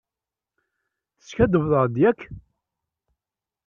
Teskaddbeḍ-aɣ-d, yak?